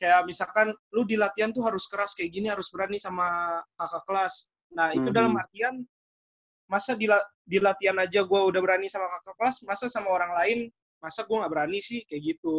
kayak misalkan lo di latihan tuh harus keras kayak gini harus berani sama kakak kelas nah itu dalam artian masa di latihan aja gue udah berani sama kakak kelas masa sama orang lain masa gue gak berani sih kayak gitu